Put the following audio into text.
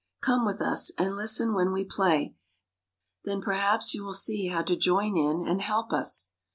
Come with ns, and listen when we play; then perhaps you will see how to join in and help us."